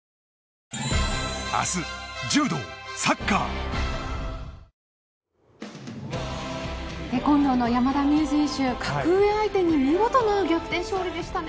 実は今大会テコンドーの山田美諭選手格上相手に見事な逆転勝利でしたね。